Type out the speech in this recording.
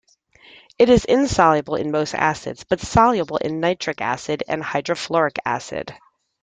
It is insoluble in most acids but soluble in nitric acid and hydrofluoric acid.